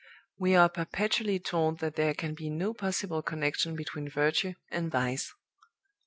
We are perpetually told that there can be no possible connection between virtue and vice.